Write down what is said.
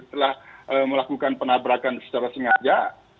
telah melakukan penabrakan secara sengaja